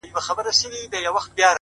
د فکر پاکوالی ژوند بدلوي